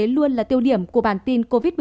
luôn là tiêu điểm của bản tin covid một mươi chín